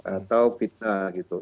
atau fitnah gitu